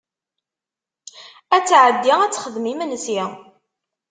Ad tɛedi ad texdem imensi.